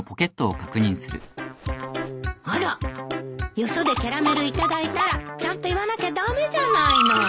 よそでキャラメル頂いたらちゃんと言わなきゃ駄目じゃないの。